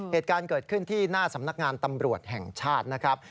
เหตุการณ์เกิดขึ้นที่หน้าสำนักงานตำรวจแห่งชาตินะครับ